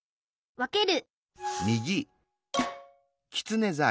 わける